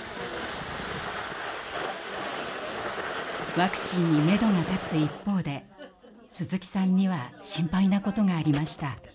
ワクチンにめどが立つ一方で鈴木さんには心配なことがありました。